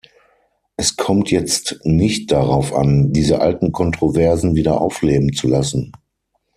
Es kommt jetzt nicht darauf an, diese alten Kontroversen wieder aufleben zu lassen.